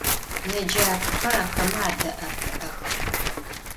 Yêcak'oxer axeme ade'epı'ex.